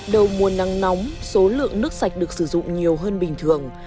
đầu mùa nắng nóng số lượng nước sạch được sử dụng nhiều hơn bình thường